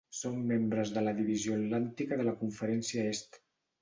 Són membres de la Divisió Atlàntica de la Conferència Est.